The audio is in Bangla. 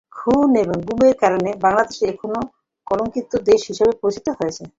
খুন এবং গুমের কারণে বাংলাদেশ এখন কলঙ্কিত দেশ হিসেবে পরিচিতি পেয়েছে।